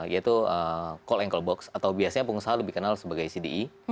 yaitu call ankle box atau biasanya pengusaha lebih kenal sebagai cde